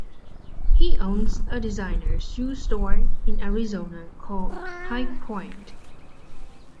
He owns a designer shoe store in Arizona called High Point.